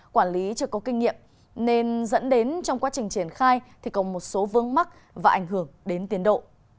quản lý chưa có kinh nghiệm nên dẫn đến trong quá trình triển khai thì có một số vương mắc và ảnh hưởng đến tiến độ